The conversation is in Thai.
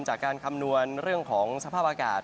คำนวณเรื่องของสภาพอากาศ